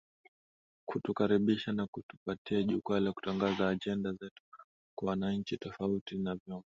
kutukaribisha na kutupatia jukwaa la kutangaza ajenda zetu kwa wananchi tofauti na vyombo